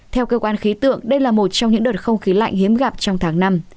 theo cơ quan khí tượng đây là một trong những đợt không khí lạnh hiếm gặp trong tháng năm